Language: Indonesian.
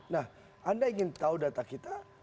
nah anda ingin tahu data kita